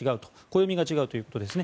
暦が違うということですね。